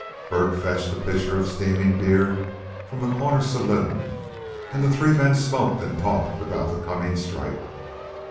Bert fetched a pitcher of steaming beer from the corner saloon, and the three men smoked and talked about the coming strike.